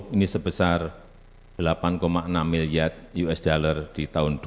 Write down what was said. ini sebesar delapan enam miliar usd di tahun dua ribu dua puluh